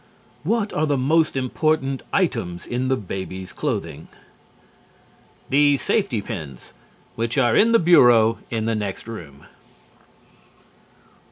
What are the most important items in the baby's clothing? The safety pins which are in the bureau in the next room.